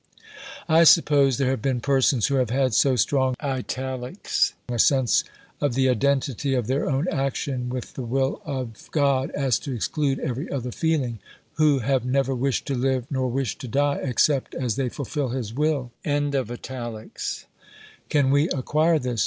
I suppose there have been persons who have had so strong _a sense of the identity of their own action with the will of God as to exclude every other feeling, who have never wished to live nor wished to die except as they fulfil his will_? Can we acquire this?